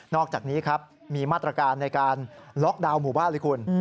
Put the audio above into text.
อกจากนี้ครับมีมาตรการในการล็อกดาวน์หมู่บ้านเลยคุณ